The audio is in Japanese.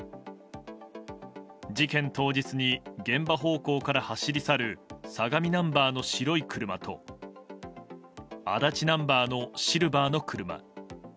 事件当日に現場方向から走り去る相模ナンバーの白い車と足立ナンバーのシルバーの車。